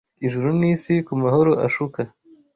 Ijuru n’isi kumahoro ashuka